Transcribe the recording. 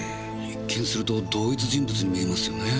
一見すると同一人物に見えますよねぇ。